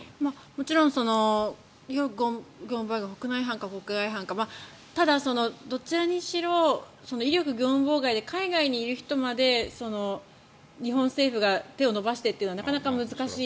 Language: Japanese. もちろん威力業務妨害国内犯か国外犯かただ、どちらにしろ威力業務妨害で海外にいる人まで日本政府が手を伸ばしてというのはなかなか難しい。